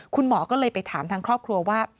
คุณหมอก็เลยไปถามทางครอบครัวว่า